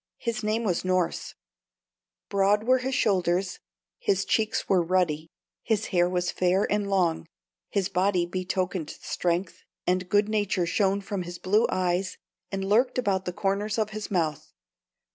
His name was Norss; broad were his shoulders, his cheeks were ruddy, his hair was fair and long, his body betokened strength, and good nature shone from his blue eyes and lurked about the corners of his mouth.